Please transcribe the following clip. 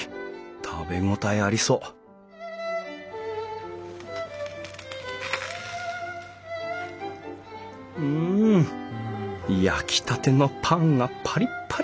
食べ応えありそううん焼きたてのパンがパリッパリ！